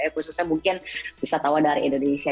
khususnya mungkin wisatawan dari indonesia